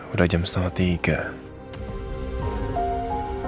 udah jam setengah tiga